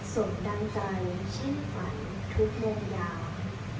ส่งดังใจสิ้นฝันทุกวงยาม